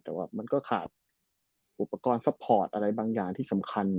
แต่ว่ามันก็ขาดอุปกรณ์ซัพพอร์ตอะไรบางอย่างที่สำคัญ